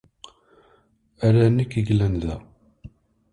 Ala nekk i yellan da.